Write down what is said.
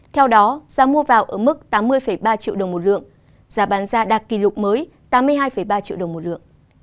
theo đó giá mua vào ở mức tám mươi ba triệu đồng một lượng giá bán ra đạt kỷ lục mới tám mươi hai ba triệu đồng một lượng